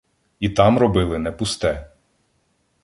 І там робили не пусте: